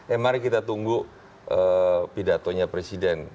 eh mari kita tunggu pidatonya presiden